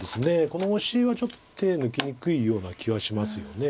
このオシはちょっと手抜きにくいような気はしますよね。